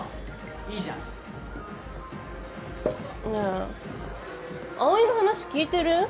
いいじゃん。ねえ葵の話聞いてる？